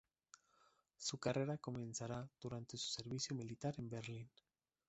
Su carrera comienza durante su servicio militar en Berlín.